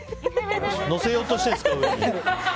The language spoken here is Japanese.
のせようとしてるんですけど。